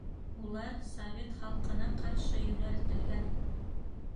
Улар совет халҡына ҡаршы йүнәлтелгән!